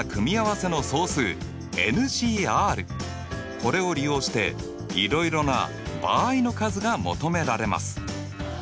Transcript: これを利用していろいろな場合の数が求められます。